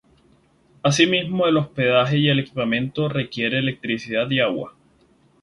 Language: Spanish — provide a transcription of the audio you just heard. Asimismo, el hospedaje y el equipamiento requiere electricidad y agua.